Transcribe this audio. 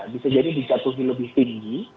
bisa jadi dijatuhi lebih tinggi